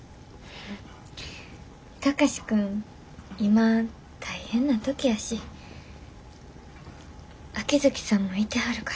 貴司君今大変な時やし秋月さんもいてはるから。